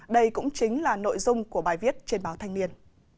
đây cũng chính là nội dung của bài viết trên báo thanh niên